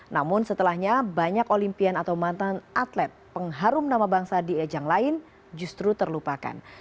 namun setelahnya banyak olimpian atau mantan atlet pengharum nama bangsa di ejang lain justru terlupakan